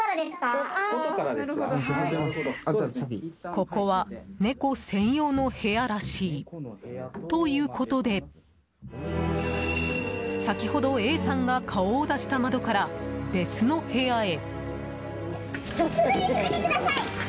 ここは、猫専用の部屋らしい。ということで先ほどＡさんが顔を出した窓から別の部屋へ。